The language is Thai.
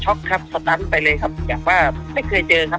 ช็อคครับไปเลยครับอยากว่าไม่เคยเจอครับ